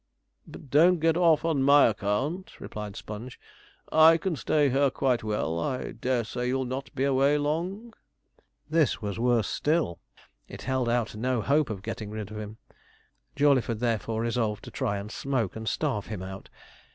'But don't get off on my account,' replied Sponge. 'I can stay here quite well. I dare say you'll not be away long.' This was worse still; it held out no hope of getting rid of him. Jawleyford therefore resolved to try and smoke and starve him out.